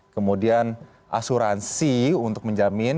kemudian asuransi untuk menjamin